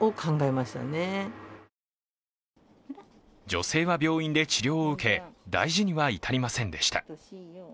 女性は病院で治療を受け、大事には至りませんでした。